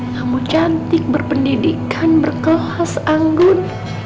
kamu cantik berpendidikan berkelas anggun